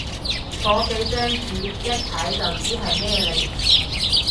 個幾張紙，一睇就知係咩嚟